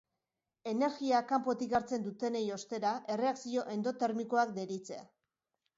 Energia kanpotik hartzen dutenei, ostera, erreakzio endotermikoak deritze.